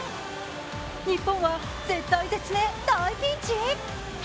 日本は絶体絶命、大ピンチ？